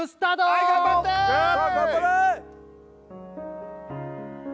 はい頑張ってさあ頑張れ！